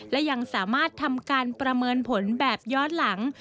และยังสามารถทำการประเมินผลแบบย้อนหลัง